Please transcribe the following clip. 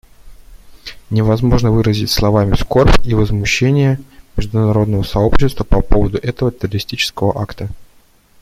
Невозможно выразить словами скорбь и возмущение международного сообщества по поводу этого террористического акта.